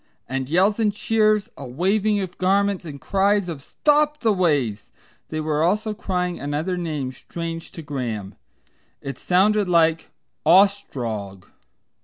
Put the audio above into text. and yells and cheers, a waving of garments and cries of "Stop the Ways!" They were also crying another name strange to Graham. It sounded like "Ostrog."